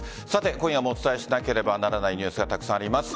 今夜もお伝えしなければならないニュースがたくさんあります。